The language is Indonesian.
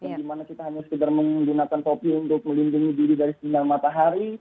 yang dimana kita hanya sekedar menggunakan topi untuk melindungi diri dari sinar matahari